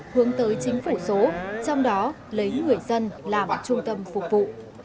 hướng tới chính phủ số trong đó lấy người dân làm trung tâm phục vụ